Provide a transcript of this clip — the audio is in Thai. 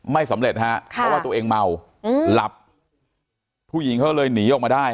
ไม่สำเร็จค่ะคือตัวเองเมาหลับหญิงก็เลยนีออกมาได้